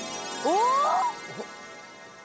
おっ！